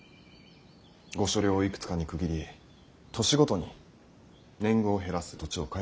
御所領をいくつかに区切り年ごとに年貢を減らす土地を変えていく。